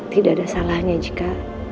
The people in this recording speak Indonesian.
tidak ada salahnya jika